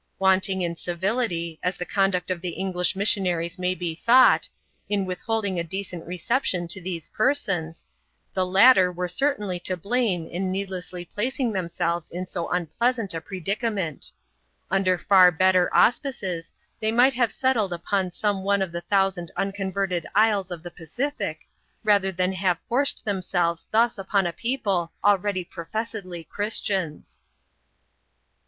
"Wanting in civility, as the conduct of the English n aries may be thought, in withholding a decent recep these persons, the latter were certainly to blame in nee placing themselves in so unpleasant a predicament, far better auspices, they might have settled upon sor of the thousand unconverted isles of the Pacific, rath< have forced themselves thus upon a people already prof Christians.